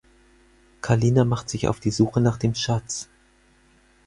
Kalina macht sich auf die Suche nach dem Schatz.